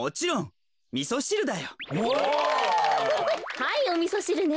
はいおみそしるね。